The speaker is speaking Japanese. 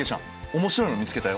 面白いの見つけたよ。